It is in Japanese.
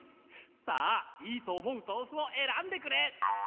さあいいと思うとうふをえらんでくれ！